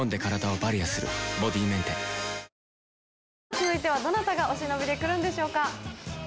続いてはどなたがお忍びで来るんでしょうか。